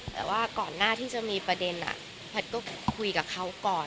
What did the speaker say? แต่ว่าก่อนหน้าที่จะมีประเด็นแพทย์ก็คุยกับเขาก่อน